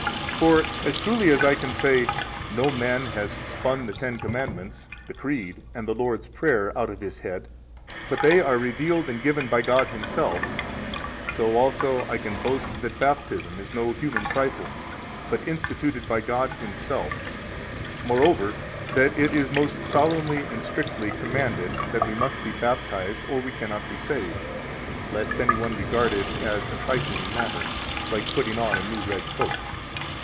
For as truly as I can say, No man has spun the Ten Commandments, the Creed, and the Lord's Prayer out of his head, but they are revealed and given by God Himself, so also I can boast that Baptism is no human trifle, but instituted by God Himself, moreover, that it is most solemnly and strictly commanded that we must be baptized or we cannot be saved, lest any one regard it as a trifling matter, like putting on a new red coat.